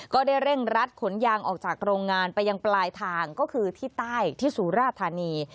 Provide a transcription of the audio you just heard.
ก็ได้เร่งรัดขนยางออกจากโรงงานไปยังปลายทางก็คือที่ใต้ที่สุราธานี